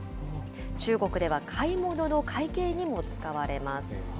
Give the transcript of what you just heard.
中国では買い物の会計にも使われます。